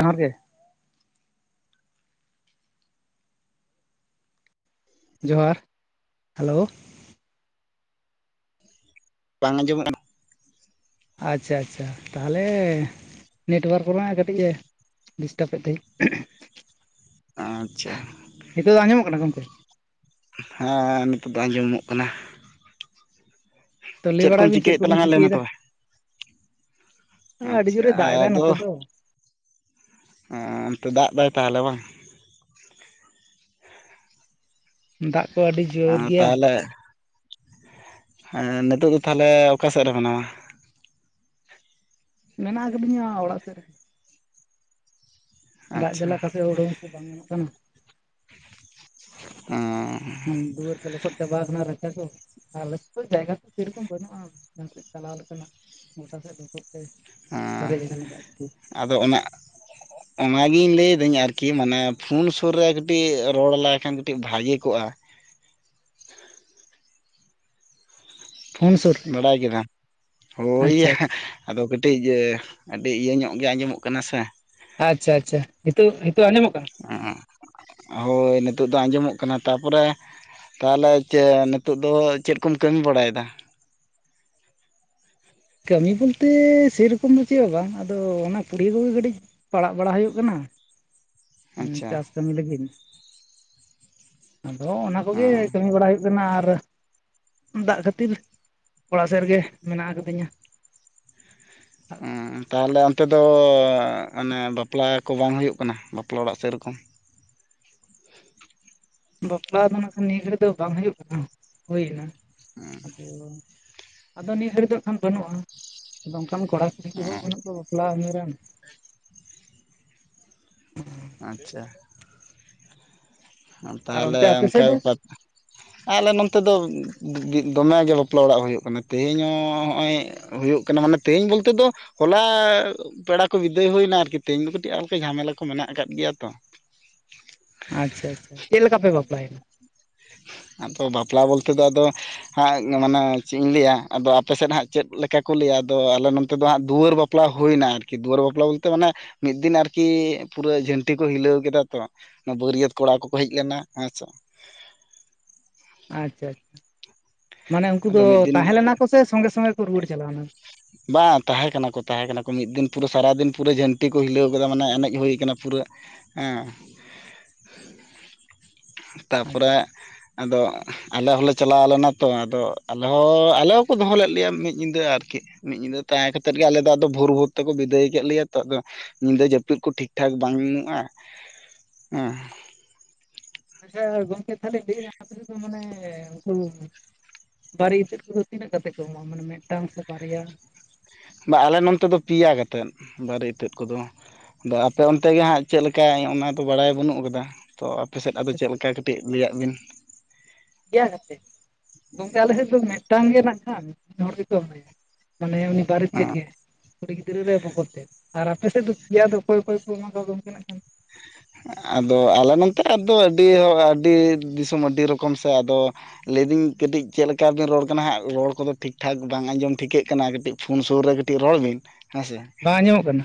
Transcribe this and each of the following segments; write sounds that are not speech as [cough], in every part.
ᱡᱚᱦᱟᱨ ᱜᱮ᱾ ᱡᱚᱦᱟᱨ ᱦᱮᱞᱳ ᱵᱟᱝ ᱟᱸᱡᱚᱢᱚᱜ ᱠᱟᱱᱟ᱾ ᱟᱪᱪᱷᱟ ᱟᱪᱪᱷᱟ ᱛᱟᱦᱞᱮ ᱱᱮᱴᱳᱣᱟᱨᱠ ᱠᱚᱨᱮᱱᱟᱜ ᱠᱟᱹᱴᱤᱡ ᱮ ᱰᱤᱥᱴᱟᱵᱮᱜ ᱛᱟᱦᱮᱸᱡ᱾ ᱟᱪᱪᱷᱟ ᱱᱤᱛᱚᱜ ᱫᱚ ᱟᱸᱚᱢᱚᱜ ᱠᱟᱱᱟ ᱜᱚᱝᱠᱮ? ᱦᱮᱸ ᱦᱮᱸᱜ ᱱᱤᱛᱚᱜ ᱫᱚ ᱟᱸᱡᱚᱢᱚᱜ ᱠᱟᱱᱟ᱾ ᱛᱚ ᱞᱟᱹᱭ ᱪᱮᱫ ᱵᱟᱲᱟᱭ ᱠᱚᱢ ᱵᱤᱱ ᱪᱤᱠᱟᱹᱭᱮᱫ ᱠᱚᱵᱤᱱ ᱛᱟᱞᱟᱝᱟ ᱞᱟᱹᱭ ᱢᱮ ᱪᱤᱠᱟᱹᱭᱮᱫᱟ ᱛᱚᱵᱮ? ᱟᱹᱰᱤ ᱟᱪᱪᱷᱟ ᱡᱳᱨᱮ ᱫᱟᱜ ᱮᱫᱟ ᱟᱫᱚ ᱱᱚᱛᱮ ᱫᱚ ᱚᱱᱛᱮ ᱫᱟᱜ ᱫᱟᱭ ᱛᱟᱦᱞᱮ ᱵᱟᱝ? ᱫᱟᱜ ᱠᱚ ᱟᱹᱰᱤ ᱡᱳᱨ ᱜᱮᱭᱟ᱾ ᱦᱮᱸ ᱱᱤᱛᱚᱜ ᱫᱚ ᱛᱟᱦᱞᱮ ᱚᱠᱟ ᱥᱮᱫ ᱨᱮ ᱢᱮᱱᱟᱢᱟ? ᱢᱮᱱᱟᱜ ᱟᱠᱟᱫᱤᱧᱟ ᱚᱲᱟᱜ ᱥᱮᱜ ᱨᱮᱜᱮ᱾ ᱫᱟᱜ ᱟᱪᱪᱷᱟ ᱡᱟᱞᱟ ᱚᱠᱟᱥᱮᱜ ᱦᱚᱸ ᱩᱰᱩᱝ ᱠᱚ ᱵᱟᱝ ᱜᱟᱱᱚᱜ ᱠᱟᱱᱟ᱾ ᱚᱸ ᱫᱩᱣᱟᱹᱨ ᱠᱚ ᱞᱚᱥᱚᱫ ᱪᱟᱵᱟᱣ ᱠᱟᱱᱟ ᱨᱟᱪᱟ ᱠᱚ᱾ ᱟᱞᱮ ᱥᱮᱫ ᱫᱚ ᱡᱟᱭᱜᱟ ᱥᱮᱨᱚᱠᱚᱢ ᱵᱟᱹᱱᱩᱜᱼᱟ, ᱡᱟᱦᱟᱸ ᱥᱮᱫ ᱪᱟᱞᱟᱣ ᱞᱮᱠᱟᱱᱟᱜ ᱜᱚᱴᱟ ᱥᱮᱫ ᱞᱚᱥᱚᱜ ᱛᱮ ᱟᱸ ᱯᱮᱨᱮᱡ ᱟᱠᱟᱱᱟ ᱫᱟᱜ ᱠᱚ᱾ ᱟᱫᱚ ᱚᱱᱟ ᱚᱱᱟᱜᱤᱧ ᱞᱟᱹᱭᱫᱟᱹᱧ ᱟᱨᱠᱤ ᱢᱟᱱᱮ ᱯᱷᱳᱱ ᱥᱩᱨ ᱨᱮ ᱠᱟᱹᱴᱤᱜ ᱨᱚᱲ ᱞᱟᱭ ᱠᱷᱟᱱ ᱠᱟᱹᱴᱤᱜ ᱵᱷᱟᱜᱮ ᱠᱚᱜᱼᱟ᱾ ᱯᱷᱳᱱ ᱥᱩᱨ ᱨᱮ ᱵᱟᱰᱟᱭ ᱠᱮᱫᱟ ᱦᱳᱭ ᱟᱪᱪᱷᱟ ᱭᱟ᱾ ᱟᱫᱚ ᱠᱟᱹᱴᱤᱡ ᱤᱭᱟᱹ ᱟᱹᱰᱤ ᱤᱭᱟᱹ ᱧᱚᱜ ᱜᱮ ᱟᱸᱡᱚᱢᱚᱜ ᱠᱟᱱᱟ ᱥᱮ᱾ ᱟᱪᱪᱷᱟ ᱟᱪᱪᱷᱟ ᱱᱤᱛᱳᱜ ᱱᱤᱛᱚᱜ ᱟᱸᱡᱚᱢᱚᱜ ᱠᱟᱱᱟ? ᱚᱸ ᱦᱳᱭ ᱱᱤᱛᱳᱜ ᱫᱚ ᱟᱸᱡᱚᱢᱚᱜ ᱠᱟᱱᱟ ᱛᱟᱯᱚᱨᱮ ᱛᱟᱦᱞᱮ ᱪᱮ ᱱᱤᱛᱚᱜ ᱫᱚ ᱪᱮᱫ ᱠᱚᱢ ᱠᱟᱹᱢᱤ ᱵᱟᱲᱟᱭᱫᱟ? ᱠᱟᱹᱢᱤ ᱵᱚᱞᱛᱮ ᱥᱮᱨᱚᱠᱚᱢ ᱫᱚ ᱪᱮᱫ ᱦᱚᱸ ᱵᱟᱝ ᱟᱫᱚ ᱚᱱᱟ ᱯᱩᱲᱤᱭᱟᱹ ᱠᱚᱜᱮ ᱠᱟᱹᱴᱤᱡ ᱯᱟᱲᱟᱜ ᱵᱟᱲᱟ ᱦᱩᱭᱩᱜ ᱠᱟᱱᱟ᱾ ᱚᱸ ᱟᱪᱪᱷᱟ ᱪᱟᱥ ᱠᱟᱹᱢᱤ ᱞᱟᱹᱜᱤᱫ, ᱟᱫᱚ ᱚᱱᱟ ᱠᱚᱜᱮ ᱠᱟᱹᱢᱤ ᱵᱟᱲᱟᱭ ᱦᱩᱭᱩᱜ ᱵᱮᱱᱟᱨ ᱫᱟᱜ ᱠᱷᱟᱹᱛᱤᱨ ᱚᱲᱟᱜ ᱥᱮᱫ ᱨᱮᱜᱮ ᱢᱮᱱᱟᱜ ᱟᱠᱟᱫᱤᱧᱟ᱾ ᱩᱸ ᱛᱟᱦᱞᱮ ᱚᱱᱛᱮ ᱫᱚ ᱚᱱᱮ ᱵᱟᱯᱞᱟ ᱠᱚ ᱵᱟᱝ ᱦᱩᱭᱩᱜ ᱠᱟᱱᱟ ᱵᱟᱯᱞᱟ ᱚᱲᱟᱜ ᱥᱮᱨᱚᱠᱚᱢ? ᱵᱟᱯᱞᱟ ᱫᱚ ᱱᱟᱦ ᱱᱤᱭᱟᱹ ᱜᱷᱟᱹᱲᱤᱡ ᱫᱚ ᱵᱟᱝ ᱦᱩᱭᱩᱜ ᱠᱟᱱᱟ, ᱦᱩᱭᱮᱱᱟ [inaudible] [unintelligible] ᱟᱫᱚ ᱱᱤᱭᱟᱹ ᱜᱷᱟᱹᱲᱤ ᱫᱚ ᱠᱷᱟᱱ ᱵᱟᱹᱱᱩᱜᱼᱟ᱾ ᱟᱫᱚ ᱚᱝᱠᱟᱱ ᱠᱚᱲᱟ ᱠᱩᱲᱤ ᱠᱚᱦᱚᱸ ᱵᱟᱹᱱᱩᱜ ᱠᱚᱣᱟ ᱵᱟᱯᱞᱟ ᱩᱢᱮᱨᱟᱱ ᱾ ᱟᱪᱪᱷᱟ ᱟ ᱟᱨ ᱛᱟᱦᱚᱞᱮ ᱚᱱᱛᱮ ᱟᱯᱮ ᱚᱝᱠᱟ ᱥᱮᱫ ᱫᱚ ᱵᱮᱯᱟᱛ ᱟᱞᱮ ᱱᱚᱱᱚᱛᱮ ᱫᱚ ᱫᱚᱢᱮ ᱜᱮ ᱵᱟᱯᱞᱟ ᱚᱲᱟᱜ ᱦᱩᱭᱩᱜ ᱠᱟᱱᱟ ᱛᱮᱦᱮᱧ ᱦᱚᱸ ᱦᱚᱜᱼᱚᱭ ᱦᱩᱭᱩᱜ ᱠᱟᱱᱟ ᱢᱟᱱᱮ ᱛᱮᱦᱤᱧ ᱵᱚᱞᱛᱮ ᱫᱚ ᱦᱚᱞᱟ ᱯᱮᱲᱟ ᱠᱚ ᱵᱤᱫᱟᱹᱭ ᱦᱩᱭᱱᱟ ᱟᱨᱠᱤ ᱛᱮᱦᱮᱧ ᱫᱚ ᱠᱟᱹᱴᱤᱡ ᱟᱨᱠᱟᱹᱡ ᱡᱷᱟᱢᱮᱞᱟ ᱠᱚ ᱢᱮᱱᱟᱜ ᱟᱠᱟᱫ ᱜᱮᱭᱟ ᱛᱚ, ᱟᱪᱪᱷᱟ ᱟᱪᱪᱷᱟ ᱪᱮᱫ ᱞᱮᱠᱟ ᱯᱮ ᱵᱟᱯᱞᱟᱭᱮᱱᱟ? ᱟᱫᱚ ᱵᱟᱯᱞᱟ ᱵᱚᱞᱛᱮ ᱫᱚ ᱟᱫᱚ ᱦᱟᱸᱜ ᱢᱟᱱᱮ ᱪᱮᱫ ᱤᱧ ᱞᱟᱹᱭᱟ ᱟᱫᱚ ᱟᱯᱮ ᱥᱮᱫ ᱦᱟᱸᱜ ᱪᱮᱫ ᱞᱮᱠᱟ ᱠᱚ ᱞᱟᱹᱭᱟ ᱟᱫᱚ ᱟᱞᱮ ᱱᱚᱱᱛᱮ ᱫᱚ ᱦᱟᱸᱜ ᱫᱩᱣᱟᱹᱨ ᱵᱟᱯᱞᱟ ᱵᱟᱯᱞᱟ ᱦᱩᱭᱱᱟ ᱟᱨᱠᱤ ᱫᱩᱣᱟᱹᱨ ᱵᱟᱯᱞᱟ ᱵᱚᱞᱛᱮ ᱢᱟᱱᱮ ᱢᱤᱫ ᱫᱤᱱ ᱟᱨᱠᱤ ᱯᱩᱨᱟᱹ ᱡᱷᱟᱹᱱᱴᱤ ᱠᱚ ᱦᱤᱞᱟᱹᱣ ᱠᱮᱫᱟ ᱛᱚ᱾ ᱵᱟᱹᱨᱤᱭᱟᱹᱛ ᱠᱚᱲᱟ ᱠᱚᱠᱚ ᱦᱮᱡ ᱞᱮᱱᱟ ᱟᱪᱷᱟ ᱟᱪᱪᱷᱟ ᱟᱪᱪᱷᱟ ᱢᱟᱱᱮ ᱩᱱᱠᱩ ᱟᱫᱚ ᱫᱚ ᱢᱤᱫ ᱫᱤᱱ ᱛᱟᱦᱮᱸ ᱞᱮᱱᱟ ᱠᱚ ᱥᱮ ᱥᱚᱸᱜᱮ ᱥᱚᱸᱜᱮ ᱠᱚ ᱨᱩᱣᱟᱹᱲ ᱪᱟᱞᱟᱣᱱᱟ ᱵᱟᱝ ᱛᱟᱦᱮᱸ ᱠᱟᱱᱟ ᱠᱚ ᱛᱟᱦᱮᱸ ᱠᱟᱱᱟ ᱠᱚ ᱢᱤᱫ ᱫᱤᱱ ᱯᱩᱨᱟᱹ ᱥᱟᱨᱟᱫᱤᱱ ᱯᱩᱨᱟᱹ ᱡᱷᱟᱹᱱᱴᱤ ᱠᱚ ᱦᱤᱞᱟᱹᱣ ᱠᱟᱫᱟ ᱢᱟᱱᱮ ᱮᱱᱮᱡ ᱦᱩᱭ ᱠᱟᱱᱟ ᱯᱩᱨᱟᱹ ᱦᱮᱸ [unintelligible] ᱛᱟᱯᱚᱨᱮ ᱟᱪᱪᱷᱟ ᱟᱫᱚ ᱟᱞᱮ ᱦᱚᱸᱞᱮ ᱪᱟᱞᱟᱣ ᱞᱮᱱᱟ ᱛᱚ ᱟᱫᱚ ᱟᱞᱮ ᱦᱚᱸ ᱟᱞᱮ ᱦᱚᱸᱠᱚ ᱫᱚᱦᱚ ᱞᱮᱫ ᱞᱮᱭᱟ ᱢᱤᱫ ᱧᱤᱫᱟᱹ ᱟᱨᱠᱤ᱾ ᱢᱤᱫ ᱧᱤᱫᱟᱹ ᱛᱟᱦᱮᱸ ᱠᱟᱛᱮᱫ ᱜᱮ ᱟᱞᱮ ᱫᱚ ᱟᱫᱚ ᱵᱷᱳᱨ ᱵᱷᱳᱨ ᱛᱮᱠᱚ ᱵᱤᱫᱟᱹᱭ ᱠᱮᱫ ᱞᱮᱭᱟ ᱛᱚ ᱟᱫᱚ ᱧᱤᱫᱟᱹ ᱡᱟᱹᱯᱤᱫ ᱠᱚ ᱴᱷᱤᱠ ᱴᱷᱟᱠ ᱵᱟᱝ ᱦᱩᱭᱩᱜᱼᱟ ᱦᱮᱸ ᱟᱪᱪᱷᱟ ᱜᱚᱝᱠᱮ ᱛᱟᱦᱞᱮ [unintelligible] ᱢᱟᱱᱮ ᱩᱱᱠᱩ ᱵᱟᱨᱮ ᱤᱛᱟᱹᱫ ᱠᱚᱫᱚ ᱛᱤᱱᱟᱹᱜ ᱠᱟᱛᱮᱫ ᱠᱚ ᱮᱢᱚᱜ-ᱟ ᱢᱟᱱᱮ ᱢᱤᱫᱴᱟᱝ ᱥᱮ ᱵᱟᱨᱭᱟ? ᱵᱟ ᱟᱞᱮ ᱱᱚᱱᱛᱮ ᱫᱚ ᱯᱤᱭᱟ ᱠᱟᱛᱮᱫ ᱵᱟᱨᱮ ᱤᱛᱟᱹᱫ ᱠᱚᱫᱚ᱾ ᱟᱫᱚ ᱟᱯᱮ ᱚᱱᱛᱮ ᱜᱮ ᱦᱟᱸᱜ ᱪᱮᱫ ᱞᱮᱠᱟ ᱚᱱᱟ ᱫᱚ ᱵᱟᱲᱟᱭ ᱵᱟᱹᱱᱩᱜ ᱟᱠᱟᱫᱟ ᱛᱚ ᱟᱯᱮᱥᱮᱫ ᱟᱫᱚ ᱪᱮᱫ ᱞᱮᱠᱟ ᱠᱟᱹᱴᱤᱡ ᱞᱟᱹᱭᱟᱫ ᱵᱤᱱ, ᱯᱮᱭᱟ ᱠᱟᱛᱮᱫ ᱜᱚᱝᱠᱮ ᱟᱞᱮ ᱥᱮᱫ ᱫᱚ ᱢᱤᱫᱴᱟᱝ ᱜᱮ ᱱᱟᱜᱷ ᱠᱷᱟᱱ ᱢᱤᱫ ᱨᱚᱠᱚᱢ ᱜᱮ ᱢᱟᱱᱮ ᱩᱱᱤ ᱵᱟᱨᱮᱛ ᱛᱮᱫ ᱜᱮ ᱩᱱᱤ ᱜᱤᱫᱽᱨᱟᱹ ᱨᱮ ᱵᱚᱠᱚᱫ ᱛᱮᱫ ᱟᱨ ᱟᱯᱮ ᱥᱮᱫ ᱫᱚ ᱯᱮᱭᱟ ᱫᱚ ᱚᱠᱚᱭ ᱚᱠᱚᱭ? ᱜᱚᱢᱦᱟ ᱫᱚ ᱟᱫᱚ ᱚᱱᱠᱟ ᱱᱟᱜ ᱠᱟᱱᱟ ᱾ ᱟᱫᱚ ᱟᱞᱮ ᱱᱚᱛᱮ ᱟᱫᱚ ᱟᱹᱰᱤ ᱦᱚᱲ ᱟᱹᱰᱤ ᱫᱤᱥᱚᱢ ᱟᱹᱰᱤ ᱨᱚᱠᱚᱢ ᱥᱮ ᱟᱫᱚ ᱞᱟᱹᱭᱫᱟᱹᱧ ᱠᱟᱹᱴᱤᱡ ᱪᱮᱫ ᱞᱮᱠᱟᱵᱤᱱ ᱨᱚᱲ ᱠᱟᱱᱟ ᱦᱟᱸᱜ ᱨᱚᱲ ᱠᱚᱫᱚ ᱴᱷᱤᱠ ᱴᱷᱟᱠ ᱵᱟᱝ ᱟᱸᱡᱚᱢ ᱴᱷᱤᱠᱟᱹᱜ ᱠᱟᱱᱟ ᱠᱟᱹᱴᱤᱡ ᱯᱷᱳᱱ ᱥᱩᱨ ᱨᱮ ᱠᱟᱹᱴᱤᱡ ᱨᱚᱲ ᱵᱤᱱ ᱦᱮᱸᱥᱮ᱾ ᱵᱟᱝ ᱟᱸᱡᱚᱢᱚᱜ ᱠᱟᱱᱟ?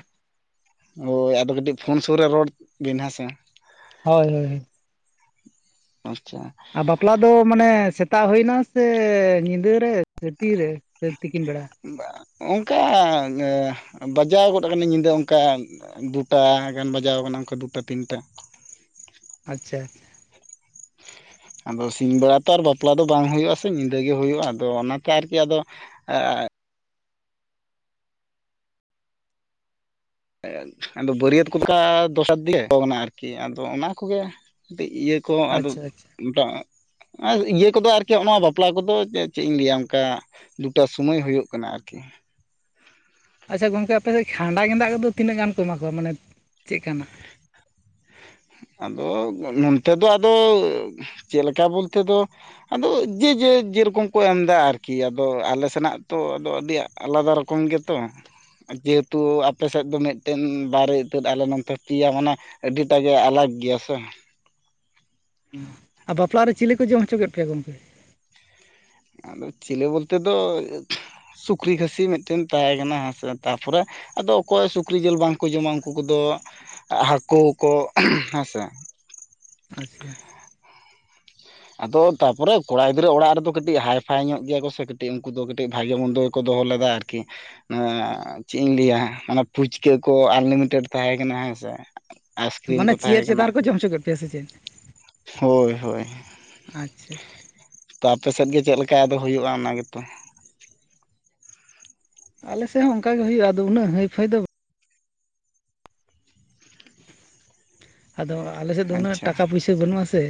ᱦᱳᱭ ᱟᱫᱚ ᱠᱟᱹᱴᱤᱡ ᱯᱷᱳᱱ ᱥᱩᱨ ᱨᱮ ᱨᱚᱲ ᱵᱤᱱ ᱦᱮᱸᱥᱮ ᱦᱳᱭ ᱦᱳᱭ ᱦᱳᱭ ᱟᱪᱪᱷᱟ ᱟᱨ ᱵᱟᱯᱞᱟ ᱫᱚ ᱢᱟᱱᱮ ᱥᱮᱛᱟᱜ ᱦᱩᱭᱱᱟ ᱥᱮ ᱧᱤᱫᱟᱹ ᱨᱮ ᱥᱮ ᱛᱤᱨᱮ? ᱥᱮ ᱛᱤᱠᱤᱱ ᱵᱮᱲᱟ ᱚᱱᱠᱟ ᱵᱟᱡᱟᱣ ᱜᱚᱫ ᱟᱠᱟᱱᱟᱹᱧ ᱧᱤᱫᱟᱹ ᱚᱱᱠᱟ ᱫᱩᱴᱟ ᱜᱟᱱ ᱵᱟᱡᱟᱣ ᱠᱟᱱᱟ ᱚᱱᱠᱟ ᱫᱩᱴᱟ ᱛᱤᱱᱴᱟ᱾ ᱟᱪᱪᱷᱟ ᱟᱪᱪᱷᱟ ᱟᱫᱚ ᱥᱤᱧ ᱵᱮᱲᱟ ᱛᱚ ᱵᱟᱯᱞᱟ ᱫᱚ ᱵᱟᱝ ᱦᱩᱭᱩᱜᱼᱟ ᱥᱮ ᱧᱤᱫᱟᱹ ᱜᱮ ᱦᱩᱭᱩᱜᱼᱟ ᱟᱫᱚ ᱚᱱᱟᱛᱮ ᱟᱨᱠᱤ ᱟᱫᱚ ᱟᱫᱚ ᱵᱟᱹᱨᱭᱟᱹᱛ ᱠᱚ ᱞᱮᱠᱟ ᱫᱚᱥᱟᱨ ᱫᱤᱭᱮ ᱦᱚ ᱚᱱᱟ ᱟᱨᱠᱤ ᱟᱫᱚ ᱚᱱᱟ ᱠᱚᱜᱮ ᱠᱟᱹᱴᱤᱡ ᱤᱭᱟᱹ ᱛᱚᱸ ᱟᱫᱚ ᱟᱪᱪᱷᱟ ᱟᱪᱪᱷᱟ ᱰᱟᱜ ᱤᱭᱟᱹ ᱠᱚᱫᱚ ᱟᱨᱠᱤ ᱱᱚᱜᱱᱟ ᱵᱟᱯᱞᱟ ᱠᱚᱫᱚ ᱪᱮᱫ ᱤᱧ ᱞᱟᱹᱭᱟ ᱚᱱᱠᱟ ᱫᱩᱴᱟ ᱥᱩᱢᱟᱹᱭ ᱦᱩᱭᱩᱜ ᱠᱟᱱᱟ ᱟᱨᱠᱤ ᱟᱪᱪᱷᱟ ᱜᱚᱢᱠᱮ ᱟᱯᱮᱥᱮᱫ ᱠᱷᱟᱸᱰᱟ ᱜᱮᱸᱫᱟᱜ ᱠᱚᱫᱚ ᱛᱤᱱᱟᱹᱜ ᱜᱟᱱ ᱠᱚ ᱮᱢᱟ ᱠᱚᱣᱟ ᱢᱟᱱᱮ ᱪᱮᱫ ᱞᱮᱠᱟᱱᱟᱜ? ᱟᱫᱚ ᱱᱚᱱᱛᱮ ᱫᱚ ᱟᱫᱚ ᱪᱮᱫ ᱞᱮᱠᱟ ᱵᱚᱞᱛᱮ ᱫᱚ ᱟᱫᱚ ᱡᱮ ᱡᱮ ᱡᱮᱨᱚᱠᱚᱢ ᱠᱚ ᱮᱢᱫᱟ ᱟᱨᱠᱤ ᱟᱫᱚ ᱟᱞᱮ ᱥᱮᱱᱟᱜ ᱛᱚ ᱟᱫᱚ ᱟᱹᱰᱤ ᱟᱞᱟᱫᱟ ᱨᱚᱠᱚᱢ ᱜᱮᱛᱚ- ᱡᱮᱦᱮᱛᱩ ᱟᱯᱮᱥᱮᱫ ᱫᱚ ᱢᱤᱫᱴᱮᱱ ᱵᱟᱨᱮ ᱤᱛᱟᱹᱫ ᱟᱞᱮ ᱱᱚᱱᱛᱮ ᱯᱮᱭᱟ ᱢᱟᱱᱮ ᱟᱹᱰᱤ ᱴᱟᱜᱮ ᱟᱞᱟᱟᱜᱽ ᱜᱮᱭᱟ ᱥᱮ, ᱟᱫᱚ ᱵᱟᱯᱞᱟᱜ ᱨᱮ ᱪᱤᱞᱤ ᱠᱚ ᱡᱚᱢ ᱦᱚᱪᱚ ᱠᱮᱫ ᱯᱮᱭᱟ ᱜᱚᱢᱠᱮ? ᱟᱫᱚ ᱪᱤᱞᱤ ᱵᱚᱞᱛᱮ ᱫᱚ, ᱥᱩᱠᱨᱤ ᱠᱷᱟᱹᱥᱤ ᱢᱤᱫᱴᱮᱱ ᱛᱟᱦᱮᱸ ᱠᱟᱱᱟ ᱦᱮᱸ ᱥᱮ ᱛᱟᱨᱯᱚᱨᱮ ᱟᱫᱚ ᱚᱠᱚᱭ ᱥᱩᱠᱨᱤ ᱡᱤᱞ ᱵᱟᱝᱠᱚ ᱡᱚᱢᱟ ᱩᱱᱠᱩ ᱠᱚᱫᱚ ᱦᱟᱹᱠᱩ ᱠᱚ ᱩᱦ ᱦᱮᱸᱥᱮ᱾ ᱟᱪᱪᱷᱟ ᱟᱫᱚ ᱛᱟᱯᱚᱨᱮ ᱠᱚᱲᱟ ᱜᱤᱫᱽᱨᱟᱹ ᱚᱲᱟᱜ ᱨᱮᱫᱚ ᱠᱟᱹᱴᱤᱡ ᱦᱟᱭᱯᱷᱟᱭ ᱧᱚᱜ ᱜᱮᱭᱟ ᱠᱚ ᱥᱮ ᱠᱟᱹᱴᱤᱡ ᱩᱱᱠᱩ ᱫᱚ ᱠᱟᱹᱴᱤᱡ ᱵᱷᱟᱜᱮ ᱢᱚᱱᱫᱚ ᱠᱚ ᱫᱚᱦᱚ ᱞᱮᱫᱟ ᱟᱨᱠᱤ ᱱᱚᱣᱟ ᱪᱮᱫ ᱤᱧ ᱞᱟᱹᱭᱟ ᱢᱟᱱᱮ ᱯᱷᱩᱪᱠᱟᱹ ᱠᱚ ᱟᱱᱞᱤᱢᱤᱴᱮᱰ ᱛᱟᱦᱮᱸ ᱠᱟᱱᱟ ᱦᱮᱸ ᱥᱮ ᱢᱟᱱᱮ ᱪᱤᱭᱟᱹᱨ ᱪᱮᱛᱟᱱ ᱨᱮᱠᱚ ᱡᱚᱢ ᱦᱚᱪᱚ ᱠᱮᱫ ᱯᱮᱭᱟ ᱥᱮ ᱪᱮᱫ ᱦᱳᱭ ᱦᱳᱭ ᱟᱪᱪᱷᱟ ᱪᱷᱟ ᱛᱚ ᱟᱯᱮᱥᱮᱫ ᱜᱮ ᱪᱮᱫ ᱞᱮᱠᱟ ᱟᱫᱚ ᱦᱩᱭᱩᱜᱼᱟ ᱚᱱᱟ ᱜᱮ ᱛᱚ? ᱟᱞᱮ ᱥᱮᱫ ᱦᱚᱸ ᱚᱱᱠᱟ ᱜᱮ ᱦᱩᱭᱩᱜᱼᱟ ᱟ ᱩᱱᱟᱹᱜ ᱦᱟᱹᱭᱯᱷᱟᱹᱭ ᱫᱚ ᱟᱫᱚ ᱟᱞᱮ ᱥᱮᱫ ᱫᱚ ᱩᱱᱟᱹᱜ ᱟᱪᱪᱷᱟ ᱴᱟᱠᱟ ᱯᱩᱭᱥᱟᱹ ᱵᱟᱹᱱᱩᱜ-ᱟ ᱥᱮ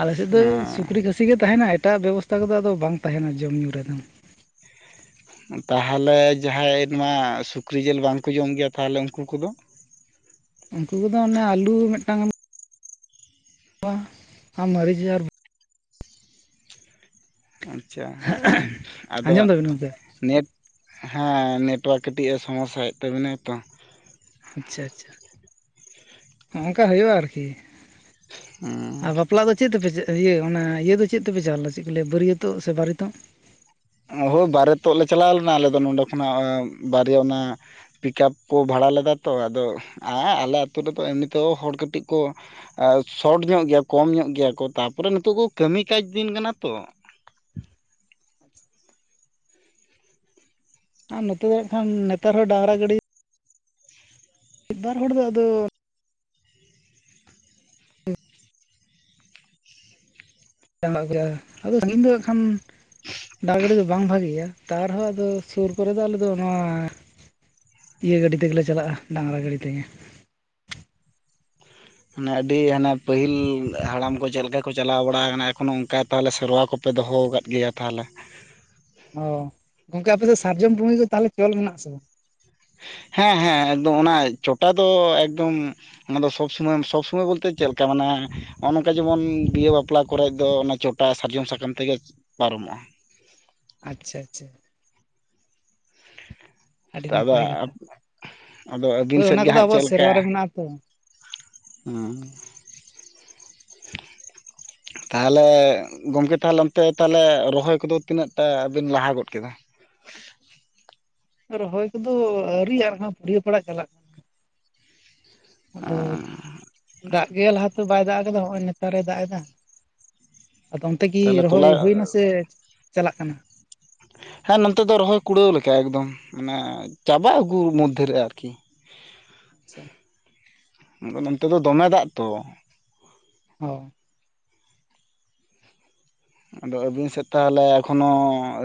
ᱟᱞᱮᱥᱮᱫ ᱫᱚ ᱦᱮᱸ ᱥᱩᱠᱨᱤ ᱠᱷᱟᱹᱥᱤ ᱜᱮ ᱛᱟᱦᱮᱱᱟ ᱮᱴᱟᱜ ᱵᱮᱵᱚᱥᱛᱟ ᱠᱚᱫᱚ ᱟᱫᱚ ᱵᱟᱝ ᱛᱟᱦᱮᱱᱟ ᱡᱚᱢ ᱧᱩ ᱨᱮᱫᱚ ᱛᱟᱦᱚᱞᱮ ᱡᱟᱦᱟᱸᱭ ᱱᱚᱣᱟ ᱥᱩᱠᱨᱤ ᱡᱮᱞ ᱵᱟᱝᱠᱚ ᱡᱚᱢ ᱜᱮᱭᱟ ᱛᱟᱦᱚᱞᱮ ᱩᱱᱠᱩ ᱠᱚᱫᱚ ᱩᱱᱠᱩ ᱠᱚᱫᱚ ᱚᱱᱮ ᱟᱞᱩ ᱢᱤᱫᱴᱟᱝ ᱟ ᱢᱟᱨᱤᱪ ᱟᱨ ᱟᱪᱷᱟ ᱟᱫᱚ ᱟᱸᱡᱚᱢ ᱫᱟᱵᱤᱱ ᱜᱚᱢᱠᱮ ᱱᱮᱴ ᱦᱮᱸ ᱱᱮᱴᱣᱟᱨᱠ ᱠᱟᱹᱴᱤᱡ ᱮ ᱥᱚᱢᱳᱥᱟᱭᱮᱫ ᱛᱟᱵᱤᱱᱟᱭ ᱛᱚ ᱟᱪᱷᱟ ᱪᱷᱟ ᱦᱚᱜᱚᱝᱠᱟ ᱦᱳᱭᱳᱜᱼᱟ ᱟᱨᱠᱤ ᱦᱩᱸ ᱵᱟᱯᱞᱟ ᱫᱚ ᱪᱮᱫ ᱛᱮᱯᱮ ᱪᱟ ᱤᱭᱟᱹ ᱚᱱᱟ ᱤᱭᱟᱹ ᱫᱚ ᱪᱮᱫ ᱛᱮᱯᱮ ᱪᱟᱞᱟᱣᱞᱮᱱᱟ ᱪᱮᱫ ᱠᱚ ᱞᱟᱹᱭᱟ ᱵᱟᱹᱨᱭᱟᱹᱛᱚᱜ ᱥᱮ ᱵᱟᱨᱮᱛᱚᱜ? ᱦᱳᱭ ᱵᱟᱨᱮᱛᱚᱜ ᱞᱮ ᱪᱟᱞᱟᱣ ᱞᱮᱱᱟ ᱟᱞᱮ ᱫᱚ ᱱᱚᱸᱰᱮ ᱠᱷᱚᱱᱟᱜ ᱵᱟᱨᱭᱟ ᱚᱱᱟ ᱯᱤᱠᱟᱯ ᱠᱚ ᱵᱷᱟᱲᱟ ᱞᱮᱫᱟ ᱛᱚ ᱟᱫᱚ ᱟ ᱟᱞᱮ ᱟᱛᱳ ᱨᱮᱫᱚ ᱮᱢᱱᱤ ᱛᱮ ᱦᱚᱲ ᱠᱟᱹᱴᱤᱡ ᱠᱚ ᱮ ᱥᱚᱴ ᱧᱚᱜ ᱜᱮᱭᱟ ᱠᱚᱢ ᱧᱚᱜ ᱜᱮᱭᱟ ᱠᱚ ᱛᱟᱯᱚᱨᱮ ᱱᱤᱛᱚᱜ ᱠᱚ ᱠᱟᱹᱢᱤ ᱠᱟᱡᱽ ᱫᱤᱱ ᱠᱟᱱᱟ ᱛᱚ [inaudible] ᱟᱨ ᱱᱚᱛᱮ ᱫᱚ ᱦᱟᱜ ᱠᱷᱟᱱ ᱱᱮᱛᱟᱨ ᱦᱚᱸ ᱰᱟᱝᱨᱟ ᱜᱟᱹᱰᱤ ᱢᱤᱫ ᱵᱟᱨ ᱦᱚᱲ ᱫᱚ ᱟᱫᱚ ᱥᱮᱱᱚᱜ ᱟᱫᱚ ᱥᱟᱺᱜᱤᱧ ᱫᱚ ᱦᱟᱜ ᱠᱷᱟᱱ ᱰᱟ ᱜᱟᱹᱰᱤ ᱫᱚ ᱵᱟᱝ ᱵᱷᱟᱜᱮᱭᱟ ᱛᱟ ᱨᱮᱦᱚᱸ ᱟᱫᱚ ᱥᱩᱨ ᱠᱚᱨᱮ ᱫᱚ ᱟᱞᱮᱫᱚ ᱱᱚᱣᱟ ᱤᱭᱟᱹ ᱜᱟᱹᱰᱤ ᱛᱮᱜᱮᱞᱮ ᱪᱟᱞᱟᱜᱼᱟ ᱰᱟᱝᱨᱟ ᱜᱟᱹᱰᱤ ᱛᱮᱜᱮ᱾ ᱢᱟᱱᱮ ᱟᱹᱰᱤ ᱦᱟᱱᱟ ᱯᱟᱹᱦᱤᱞ ᱦᱟᱲᱟᱢ ᱠᱚ ᱪᱮᱫᱞᱮᱠᱟ ᱠᱚ ᱪᱟᱞᱟᱣ ᱵᱟᱲᱟ ᱠᱟᱱᱟ ᱮᱠᱷᱚᱱᱚ ᱚᱱᱠᱟ ᱛᱟᱦᱚᱞᱮ ᱥᱮᱨᱣᱟ ᱠᱚᱯᱮ ᱫᱚᱦᱚ ᱟᱠᱟᱫ ᱜᱮᱭᱟ ᱛᱟᱦᱚᱞᱮ᱾ ᱚ ᱜᱚᱢᱠᱮ ᱟᱯᱮ ᱫᱚ ᱥᱟᱨᱡᱚᱢ ᱯᱩᱝᱜᱤ ᱠᱚ ᱛᱟᱦᱚᱞᱮ ᱛᱚᱞ ᱢᱮᱱᱟᱜ ᱟᱥᱮ ᱵᱟᱝ ᱦᱮᱸ ᱦᱮᱸ ᱮᱠᱫᱚᱢ ᱚᱱᱟ ᱪᱚᱴᱟ ᱫᱚ ᱮᱠᱫᱚᱢ ᱚᱱᱟᱫᱚ ᱥᱚᱵᱽ ᱥᱚᱢᱚᱭ ᱥᱚᱵᱽ ᱥᱚᱢᱚᱭ ᱵᱚᱞᱛᱮ ᱪᱮᱫᱮ ᱞᱮᱠᱟ ᱢᱟᱱᱮ ᱦᱚᱜᱼᱚ ᱱᱚᱝᱠᱟ ᱡᱮᱢᱚᱱ ᱵᱤᱦᱟᱹ ᱵᱟᱯᱞᱟ ᱠᱚᱨᱮᱡ ᱫᱚ ᱚᱱᱟ ᱪᱚᱴᱟ ᱥᱟᱨᱡᱚᱢ ᱥᱟᱠᱟᱢ ᱛᱮᱜᱮ ᱯᱟᱨᱚᱢᱚᱜᱼᱟ᱾ ᱟᱪᱪᱷᱟ ᱟᱪᱪᱷᱟ ᱟᱹᱰᱤ ᱟᱫᱚ ᱱᱟᱯᱟᱭ ᱠᱟᱛᱷᱟ ᱟᱫᱚ ᱦᱳ ᱟᱹᱵᱤᱱ ᱥᱮᱫ ᱚᱱᱟ ᱜᱮ ᱠᱚᱫᱚ ᱦᱟᱸᱜ ᱟᱵᱚᱣᱟᱜ ᱪᱮᱫ ᱞᱮᱠᱟ ᱥᱮᱨᱣᱟ ᱨᱮ ᱢᱮᱱᱟᱜᱼᱟ ᱛᱚ ᱦᱩᱸ ᱛᱟᱦᱮᱞᱮ ᱜᱚᱝᱠᱮ ᱛᱟᱦᱚᱞᱮ ᱚᱱᱛᱮ ᱛᱟᱦᱞᱮ ᱨᱚᱦᱚᱭ ᱠᱚᱫᱚ ᱛᱤᱱᱟᱹᱜ ᱴᱟ ᱵᱤᱱ ᱞᱟᱦᱟ ᱜᱚᱫ ᱠᱮᱫᱟ ᱨᱚᱦᱚᱭ ᱠᱚᱫᱚ ᱟᱹᱣᱨᱤᱭᱟᱜ ᱟ ᱢᱮᱱᱠᱟᱷᱟᱱ ᱯᱩᱲᱭᱟᱹ ᱯᱟᱲᱟᱜ ᱪᱟᱞᱟᱜ ᱠᱟᱱᱟ ᱟᱫᱚ ᱫᱟᱜ ᱜᱮ ᱞᱟᱦᱟᱛᱮ ᱵᱟᱭ ᱫᱟᱜ ᱠᱟᱫᱟ ᱦᱚᱜᱼᱚᱭ ᱱᱮᱛᱟᱨᱮ ᱫᱟᱜ ᱮᱫᱟ ᱟᱫᱚᱢ ᱛᱮᱠᱤ ᱛᱟᱦᱚᱞᱮ ᱨᱚᱦᱚᱭ ᱛᱚᱞᱟ ᱦᱩᱭᱱᱟ ᱥᱮ ᱪᱟᱞᱟᱜ ᱠᱟᱱᱟ ᱦᱮᱸ ᱱᱚᱸᱱᱛᱮ ᱫᱚ ᱨᱚᱦᱚᱭ ᱠᱩᱲᱟᱹᱣ ᱞᱮᱠᱟ ᱮᱠᱫᱚᱢ ᱢᱟᱱᱮ ᱪᱟᱵᱟᱜ ᱟᱹᱜᱩ ᱢᱚᱫᱽᱫᱷᱮ ᱨᱮ ᱟᱨᱠᱤ ᱟᱪᱪᱷᱟ ᱟᱫᱚ ᱱᱚᱱᱛᱮ ᱫᱚ ᱫᱚᱢᱮ ᱫᱟᱜ ᱛᱚ ᱚ ᱟᱫᱚ ᱟᱹᱵᱤᱱ ᱥᱮᱫ ᱛᱟᱦᱚᱞᱮ ᱮᱠᱷᱚᱱᱚ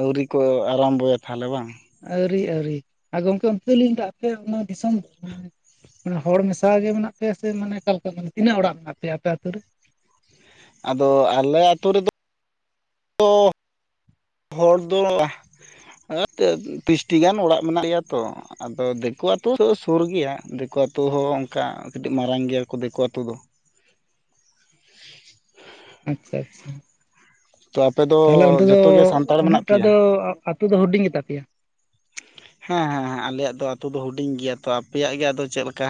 ᱟᱹᱣᱨᱤ ᱠᱚ ᱟᱨᱚᱢᱵᱚᱭᱟ ᱛᱟᱦᱚᱞᱮ ᱵᱟᱝ ᱟᱹᱣᱨᱤ ᱟᱹᱣᱨᱤ ᱟ ᱜᱚᱝᱠᱮ ᱚᱱᱛᱮᱞᱤᱧ ᱫᱟ ᱟᱯᱮ ᱱᱚᱣᱟ ᱫᱤᱥᱚᱢ ᱢᱟᱱᱮ ᱦᱚᱲ ᱢᱮᱥᱟ ᱜᱮ ᱢᱮᱱᱟᱜ ᱯᱮᱭᱟ ᱥᱮ ᱢᱟᱱᱮ ᱟᱠᱟᱞᱮᱠᱟ ᱠᱟᱱᱟ ᱛᱤᱱᱟᱹᱜ ᱚᱲᱟᱜ ᱢᱮᱱᱟᱜ ᱯᱮᱭᱟ ᱟᱯᱮ ᱟᱛᱳ ᱨᱮ ᱟᱫᱚ ᱟᱞᱮ ᱟᱹᱛᱳ ᱨᱮᱫᱚ ᱫᱚ ᱦᱚᱲ ᱫᱚ ᱦᱮᱸ ᱛᱚ ᱵᱤᱥᱴᱤ ᱜᱟᱱ ᱚᱲᱟᱜ ᱢᱮᱱᱟᱜ ᱞᱮᱭᱟ ᱛᱚ ᱟᱫᱚ ᱫᱮᱠᱳ ᱟᱛᱳ ᱫᱚ ᱥᱳᱨ ᱜᱮᱭᱟ ᱫᱮᱠᱳ ᱟᱛᱳ ᱦᱚᱸ ᱚᱝᱠᱟ ᱠᱟᱹᱴᱤᱜ ᱢᱟᱨᱟᱝ ᱜᱮᱭᱟ ᱠᱚ ᱫᱮᱠᱳ ᱟᱛᱳ ᱫᱚ, ᱟᱪᱪᱷᱟ ᱟᱪᱪᱷᱟ ᱛᱚ ᱟᱯᱮ ᱛᱟᱦᱞᱮ ᱚᱱᱛᱮ ᱫᱚ ᱡᱚᱛᱚ ᱜᱮ ᱥᱟᱱᱛᱟᱲ ᱢᱮᱱᱟᱜ ᱩᱱᱟᱹᱜᱴᱟ ᱯᱮᱭᱟ ᱫᱚ ᱟᱛᱳ ᱫᱚ ᱦᱩᱰᱤᱧ ᱜᱮ ᱛᱟᱯᱮᱭᱟ, ᱦᱮᱸ ᱦᱮᱸ ᱟᱞᱮᱭᱟᱜ ᱫᱚ ᱟᱛᱳ ᱫᱚ ᱦᱩᱰᱤᱧ ᱜᱮᱭᱟ ᱛᱚ ᱟᱯᱮᱭᱟᱜ ᱜᱮ ᱟᱫᱚ ᱪᱮᱫ ᱞᱮᱠᱟ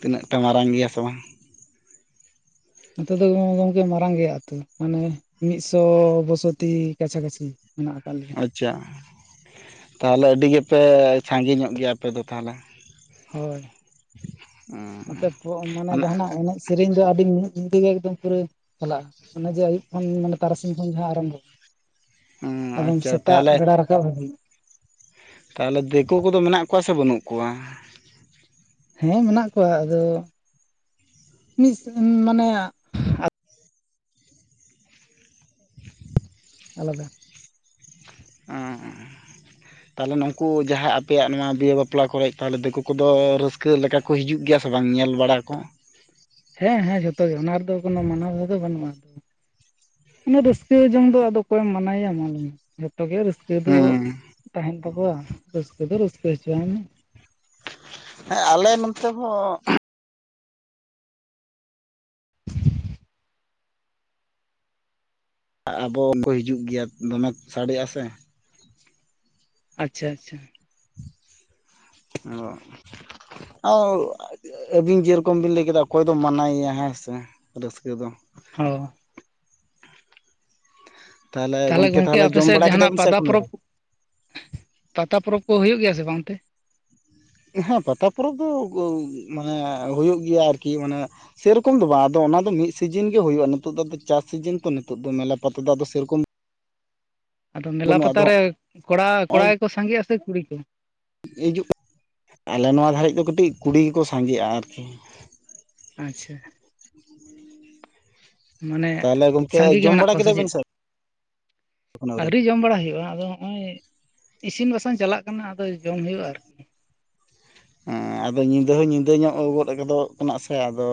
ᱛᱤᱱᱟᱹᱜ ᱴᱟ ᱢᱟᱨᱟᱝ ᱜᱮᱭᱟ ᱥᱮ ᱵᱟᱝ? ᱱᱚᱛᱮ ᱫᱚ ᱜᱚᱝ ᱜᱚᱢᱠᱮ ᱢᱟᱨᱟᱝ ᱜᱮᱭᱟ ᱟᱛᱳ ᱢᱟᱱᱮ ᱢᱤᱫᱥᱚ ᱵᱚᱥᱚᱛᱤ ᱠᱟᱪᱷᱟ ᱠᱟᱪᱷᱤ, ᱢᱮᱱᱟᱜ ᱟᱠᱟᱜ ᱞᱮᱭᱟ ᱟᱪᱪᱷᱟ ᱛᱟᱦᱚᱞᱮ ᱟᱹᱰᱤ ᱜᱮᱯᱮ ᱥᱟᱸᱜᱤᱧᱚᱜ ᱜᱮᱭᱟ ᱟᱯᱮ ᱫᱚ ᱛᱟᱦᱚᱞᱮ, ᱦᱳᱭ ᱦᱩᱸ ᱱᱚᱛᱮ ᱯᱚ ᱢᱟᱱᱮ ᱡᱟᱦᱟᱱᱟᱜ ᱮᱱᱮᱡ ᱥᱮᱨᱮᱧ ᱫᱚ ᱟᱹᱰᱤ ᱢᱤᱫ ᱧᱤᱫᱟᱹ ᱜᱮ ᱮᱠᱚᱢ ᱯᱩᱨᱟᱹ ᱪᱟᱞᱟᱜᱼᱟ ᱚᱱᱮ ᱡᱮ ᱟᱹᱭᱩᱵ ᱠᱷᱚᱱ ᱢᱟᱱᱮ ᱛᱟᱨᱟᱥᱤᱧ ᱠᱷᱚᱱ ᱡᱟᱦᱟᱸ ᱟᱨᱟᱢᱵᱷᱚ ᱦᱩᱸ ᱟᱫᱚᱢ ᱟᱪᱪᱷᱟ ᱥᱮᱛᱟᱜ ᱛᱟᱦᱚᱞᱮ ᱵᱮᱲᱟ ᱨᱟᱠᱟᱵ [inaudible] ᱛᱟᱦᱚᱞᱮ ᱫᱮᱠᱳ ᱠᱚᱫᱚ ᱢᱮᱱᱟᱜ ᱠᱚᱣᱟ ᱥᱮ ᱵᱟᱹᱱᱩᱜ ᱠᱚᱣᱟ? ᱦᱮᱸ ᱢᱮᱱᱟᱜ ᱠᱚᱣᱟ ᱟᱫᱚ ᱢᱤᱥ ᱢᱟᱱᱮ ᱟᱞᱟᱫᱟ ᱚᱸ ᱩᱸ [unintelligible] ᱛᱟᱦᱚᱞᱮ ᱱᱩᱝᱠᱩ ᱡᱟᱦᱟᱸ ᱟᱯᱮᱭᱟᱜ ᱱᱚᱣᱟ ᱵᱤᱦᱟᱹ ᱵᱟᱯᱞᱟ ᱠᱚᱨᱮᱜ ᱛᱟᱦᱚᱞᱮ ᱫᱮᱠᱳ ᱠᱚᱫᱚ ᱨᱟᱹᱥᱠᱟᱹ ᱞᱮᱠᱟ ᱠᱚ ᱦᱤᱡᱩᱜ ᱜᱮᱭᱟ ᱥᱮ ᱵᱟᱝ ᱧᱮᱞ ᱵᱟᱲᱟ ᱠᱚ ᱦᱮᱸ ᱦᱮᱸ ᱡᱷᱚᱛᱚ ᱜᱮ ᱚᱱᱟ ᱨᱮᱫᱚ ᱠᱳᱱᱳ ᱢᱟᱱᱟᱵᱟᱫᱷᱟ ᱫᱚ ᱵᱟᱹᱱᱩᱜᱼᱟ ᱚᱱᱮ ᱨᱟᱹᱥᱠᱟᱹ ᱡᱚᱝ ᱫᱚ ᱟᱫᱚ ᱚᱠᱚᱭᱮᱢ ᱢᱟᱱᱟᱭᱮᱭᱟ ᱢᱟ ᱞᱟᱹᱭ ᱢᱮ ᱡᱷᱚᱛᱚ ᱜᱮ ᱨᱟᱹᱥᱠᱟᱹ ᱨᱟᱹᱥᱠᱟᱹ ᱫᱚ ᱦᱩᱸ ᱛᱟᱦᱮᱸᱱ ᱛᱟᱠᱚᱣᱟ ᱨᱟᱹᱥᱠᱟᱹ ᱫᱚ ᱨᱟᱹᱥᱠᱟᱹ ᱦᱚᱪᱚᱣᱟᱭ ᱢᱮ ᱦᱮᱸ ᱟᱞᱮ ᱱᱚᱸᱛᱮ ᱦᱚᱸ [unintelligible] ᱟᱵᱚ ᱠᱚ ᱦᱤᱡᱩᱜ ᱜᱮᱭᱟ ᱫᱚᱢᱮᱠ ᱥᱟᱰᱮᱭᱟ ᱥᱮ ᱟᱪᱪᱷᱟ ᱟᱪᱪᱷᱟ ᱟᱣ ᱟᱹᱵᱤᱱ ᱡᱮᱨᱚᱠᱚᱢ ᱵᱤᱱ ᱞᱟᱹᱭ ᱠᱮᱫᱟ ᱚᱠᱚᱭ ᱫᱚᱢ ᱢᱟᱱᱟᱭᱮᱭᱟ ᱦᱮᱸ ᱥᱮ ᱨᱟᱹᱥᱠᱟᱹ ᱫᱚ᱾ ᱦᱚᱸ ᱛᱟᱦᱚᱞᱮ ᱜᱚᱢᱠᱮ ᱜᱚᱝᱠᱮ ᱛᱟᱦᱚᱞᱮ ᱟᱯᱮ ᱡᱚᱢ ᱥᱮᱫ ᱵᱟᱲᱟ ᱠᱮᱫᱟ ᱡᱟᱦᱟᱱᱟᱜ ᱵᱤᱱ ᱥᱮ ᱯᱟᱛᱟ ᱮᱠᱷᱚᱱᱚ ᱯᱚᱨᱚᱵᱽ ᱟᱹᱣᱨᱤ? ᱯᱟᱛᱟ ᱯᱚᱨᱚᱵᱽ ᱠᱚ ᱦᱩᱭᱩᱜ ᱜᱮᱭᱟ ᱥᱮ ᱵᱟᱝ ᱚᱱᱛᱮ ᱦᱮᱸ ᱯᱟᱛᱟ ᱯᱚᱨᱚᱵᱽ ᱫᱚ ᱢᱟᱱᱮ ᱦᱳᱭᱳᱜ ᱜᱮᱭᱟ ᱟᱨᱠᱤ ᱢᱟᱱᱮ, ᱥᱮᱨᱚᱠᱚᱢ ᱫᱚ ᱵᱟᱝ ᱟᱫᱚ ᱚᱱᱟ ᱫᱚ ᱢᱤᱫ ᱥᱤᱡᱤᱱ ᱜᱮ ᱦᱳᱭᱳᱜᱼᱟ ᱱᱤᱛ ᱫᱚ ᱟᱫᱚ ᱪᱟᱥ ᱥᱤᱡᱤᱱ ᱛᱚ ᱱᱤᱛᱤᱜ ᱫᱚ ᱢᱮᱞᱟ ᱯᱟᱛᱟ ᱫᱚ ᱟᱫᱚ ᱥᱮᱨᱚᱠᱚᱢ ᱟᱫᱚ ᱢᱮᱞᱟ ᱵᱟᱹᱱᱩᱜᱼᱟ ᱯᱟᱛᱟ ᱟᱫᱚ ᱨᱮ ᱠᱚᱲᱟ ᱠᱚᱲᱟ ᱦᱚᱸᱜᱼᱚᱭ ᱜᱮᱠᱚ ᱥᱟᱸᱜᱮᱜᱼᱟ ᱥᱮ ᱠᱩᱲᱤ ᱠᱚ ᱦᱤᱡᱩᱜ ᱟᱞᱮ ᱱᱚᱣᱟ ᱫᱷᱟᱹᱨᱤᱡ ᱫᱚ ᱠᱟᱹᱴᱤᱡ ᱠᱩᱲᱤ ᱜᱮᱠᱚ ᱥᱟᱸᱜᱮᱜᱼᱟ ᱟᱨᱠᱤ, ᱟᱪᱪᱷᱟ ᱢᱟᱱᱮ ᱛᱟᱦᱚᱞᱮ ᱜᱚᱝᱠᱮ ᱥᱟᱸᱜᱮ ᱜᱮ ᱡᱚᱢ ᱢᱮᱱᱟᱜ ᱵᱟᱲᱟ ᱠᱚᱣᱟ ᱥᱮ ᱠᱮᱫᱟ ᱵᱤᱱ ᱪᱮᱫ ᱟᱹᱣᱨᱤ ᱡᱚᱢ ᱵᱟᱲᱟ ᱦᱩᱭᱩᱜ-ᱟ ᱟᱫᱚ ᱱᱚᱜᱼᱚᱭ ᱤᱥᱤᱱ ᱵᱟᱥᱟᱝ ᱪᱟᱞᱟᱜ ᱠᱟᱱᱟ ᱟᱫᱚ ᱡᱚᱢ ᱦᱩᱭᱩᱜ-ᱟ ᱟᱨᱠᱤ, ᱦᱮᱸ ᱟᱫᱚ ᱧᱤᱫᱟᱹ ᱦᱚᱸ ᱧᱤᱫᱟᱹ ᱧᱚᱜ ᱜᱚᱫ ᱜᱚᱫᱚᱜ ᱠᱟᱱᱟ ᱥᱮ ᱟᱫᱚ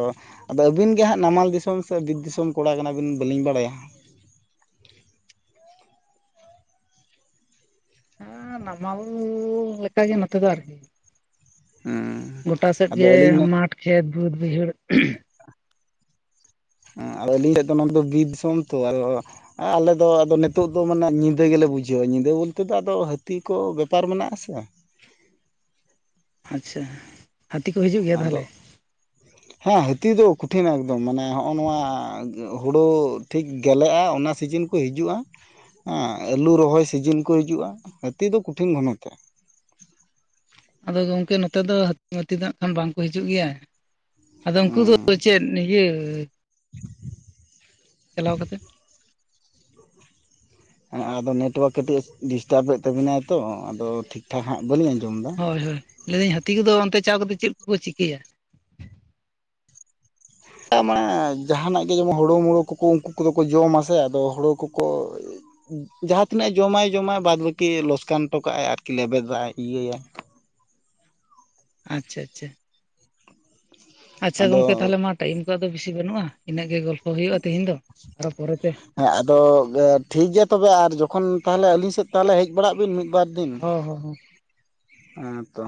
ᱟᱫᱚ ᱟᱹᱵᱤᱱ ᱜᱮ ᱦᱟᱸᱜ ᱱᱟᱢᱟᱞ ᱫᱤᱥᱚᱢ ᱥᱮ ᱵᱤᱨ ᱫᱤᱥᱚᱢ ᱠᱚᱲᱟ ᱠᱟᱱᱟᱵᱤᱱ ᱵᱟᱹᱞᱤᱧ ᱵᱟᱲᱟᱭᱟ᱾ ᱦᱮᱸ ᱱᱟᱢᱟᱞ ᱞᱮᱠᱟᱜ ᱜᱮ ᱱᱚᱛᱮ ᱫᱚ ᱟᱨᱠᱤ, ᱦᱮᱸ ᱜᱚᱴᱟ ᱥᱮᱫ ᱟᱫᱚ ᱜᱮ ᱟᱹᱞᱤᱧ ᱢᱟᱴᱷ ᱠᱷᱮᱛ ᱵᱟᱹᱫᱽ ᱵᱟᱹᱭᱦᱟᱹᱲ ᱦᱮ ᱟᱫᱚ ᱟᱹᱞᱤᱧ ᱴᱷᱮᱡ ᱫᱚ ᱱᱚᱣᱟ ᱫᱚ ᱵᱤᱨ ᱫᱤᱥᱚᱢ ᱛᱚ ᱟᱫᱚ ᱟᱞᱮᱫᱚ ᱟᱫᱚ ᱱᱤᱛᱳᱜ ᱫᱚ ᱢᱟᱱᱮ ᱧᱤᱫᱟᱹ ᱜᱮᱞᱮ ᱵᱩᱡᱷᱟᱹᱣᱟ ᱧᱤᱫᱟᱹ ᱵᱚᱞᱛᱮ ᱫᱚ ᱟᱫᱚ ᱦᱟᱹᱛᱤ ᱠᱚ ᱵᱮᱯᱟᱨ ᱢᱮᱱᱟᱜ ᱟ ᱥᱮ ᱟᱪᱪᱷᱟ ᱦᱟᱹᱛᱤ ᱠᱚ ᱦᱤᱡᱩᱜ ᱜᱮᱭᱟ ᱟᱫᱚ ᱛᱟᱦᱚᱞᱮ᱾ ᱦᱮᱸ ᱦᱟᱹᱛᱤ ᱫᱚ ᱠᱚᱴᱷᱤᱱ ᱮᱠᱫᱚᱢ ᱢᱟᱱᱮ ᱦᱚᱜᱼᱚ ᱱᱚᱣᱟ ᱦᱩᱲᱳ ᱴᱷᱤᱠ ᱜᱮᱞᱮᱜᱼᱟ ᱚᱱᱟ ᱥᱤᱡᱤᱱ ᱠᱚ ᱦᱤᱡᱩᱜᱼᱟ ᱟᱹᱞᱩ ᱨᱚᱦᱚᱭ ᱥᱤᱡᱤᱱ ᱠᱚ ᱦᱤᱡᱩᱜᱼᱟ ᱦᱟᱹᱛᱤ ᱫᱚ ᱠᱚᱴᱷᱤᱱ ᱜᱷᱚᱱᱚ ᱛᱮ ᱟᱫᱚ ᱜᱚᱝᱠᱮ ᱱᱚᱛᱮ ᱫᱚ ᱦᱟᱛᱤ ᱢᱟᱛᱤ ᱫᱚ ᱱᱟᱜ ᱠᱷᱟᱱ ᱵᱟᱝᱠᱚ ᱦᱤᱡᱩᱜ ᱜᱮᱭᱟ, ᱟᱫᱚ ᱩᱱᱠᱩ ᱫᱚ ᱦᱮᱸ ᱪᱮᱫ ᱤᱭᱟᱹ [inaudible] ᱪᱟᱞᱟᱣ ᱠᱟᱛᱮ ᱟ-ᱟᱫᱚ ᱱᱮᱴᱣᱟᱨᱠ ᱠᱟᱴᱤᱡ ᱰᱤᱥᱴᱟᱵᱮᱫ ᱛᱟᱵᱤᱱᱟᱭ ᱛᱚ ᱟᱫᱚ ᱴᱷᱤᱠ ᱴᱷᱟᱠ ᱦᱟᱸᱜ ᱵᱟᱹᱞᱤᱧ ᱟᱸᱡᱚᱢᱫᱟ᱾ ᱦᱳᱭ ᱦᱳᱭ ᱞᱟᱹᱭᱫᱟᱹᱧ ᱦᱟᱹᱛᱤ ᱠᱚᱫᱚ ᱚᱱᱛᱮ ᱪᱟᱣ ᱠᱟᱛᱮᱫ ᱪᱮᱜ ᱠᱚ ᱪᱤᱠᱟᱹᱭᱟ? ᱠᱟ ᱢᱟᱲᱟ ᱡᱟᱦᱟᱱᱟᱜ ᱜᱮ ᱡᱮᱢᱚᱱ ᱦᱩᱲᱩ ᱢᱩᱲᱩ ᱠᱚᱠᱚ ᱩᱝᱠᱩ ᱠᱚᱫᱚ ᱠᱚ ᱡᱚᱢᱟ ᱥᱮ ᱟᱫᱚ ᱦᱩᱲᱩ ᱠᱚᱠᱚ ᱡᱟᱦᱟᱸ ᱛᱤᱱᱟᱹᱜ ᱡᱚᱢᱟᱭ ᱡᱚᱢᱟᱭ ᱵᱟᱫᱽ ᱵᱟᱹᱠᱤ ᱞᱚᱥᱠᱟᱱ ᱦᱚᱴᱚᱠᱟᱜᱼᱟᱭ ᱟᱨᱠᱤ ᱞᱮᱵᱮᱫᱟᱭ ᱤᱭᱟᱹᱟᱭ ᱟᱪᱪᱷᱟ ᱟᱪᱪᱷᱟ ᱟᱪᱪᱷᱟ ᱟᱫᱚ ᱜᱚᱝᱠᱮ ᱛᱟᱦᱞᱮ ᱢᱟ ᱴᱟᱭᱤᱢ ᱠᱚ ᱟᱫᱚ ᱵᱤᱥᱤ ᱵᱟᱹᱱᱩᱜᱼᱟ, ᱤᱱᱟᱹᱜ ᱜᱮ ᱜᱚᱞᱯᱚ ᱦᱩᱭᱩᱜᱼᱟ ᱛᱤᱦᱤᱧ ᱫᱚ ᱟᱨᱚ ᱯᱚᱨᱮᱛᱮ᱾ ᱦᱮᱸ ᱟᱫᱚ ᱴᱷᱤᱠ ᱜᱮᱭᱟ ᱛᱚᱵᱮ ᱟᱨ ᱡᱚᱠᱷᱚᱱ ᱛᱟᱦᱞᱮ ᱟᱹᱞᱤᱧ ᱥᱮᱫ ᱛᱟᱦᱞᱮ ᱦᱮᱡ ᱵᱟᱲᱟᱜ ᱵᱤᱱ ᱢᱤᱫ ᱵᱟᱨ ᱫᱤᱱ ᱦᱚᱸ ᱦᱚᱸ ᱦᱚᱸ ᱦᱮᱸ ᱛᱚ